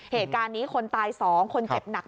เหตุการณ์นี้คนตาย๒คนเจ็บหนัก